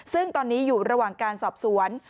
ซึ่งตอนนี้อยู่ระหว่างการสอบสวน